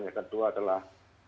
yang kedua adalah